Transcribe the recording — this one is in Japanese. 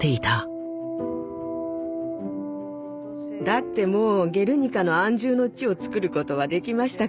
だってもう「ゲルニカ」の安住の地をつくることはできましたから。